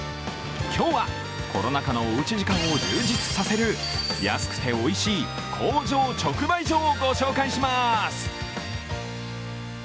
今日はコロナ禍のおうち時間を充実させる、安くておいしい、工場直売所をご紹介します。